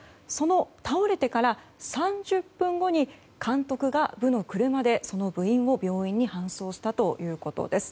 倒れてから３０分後に監督が部の車でその部員を病院に搬送したということです。